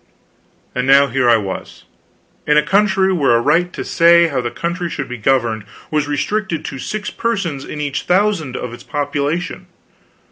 And now here I was, in a country where a right to say how the country should be governed was restricted to six persons in each thousand of its population.